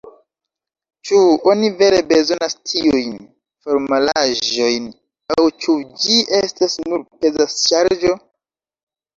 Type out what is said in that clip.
Ĉu oni vere bezonas tiujn formalaĵojn, aŭ ĉu ĝi estas nur peza ŝarĝo?